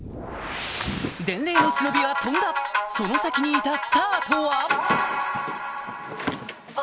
伝令の忍びは飛んだその先にいたスターとは？